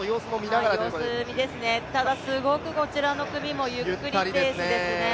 ただこちらの組もゆっくりペースですね。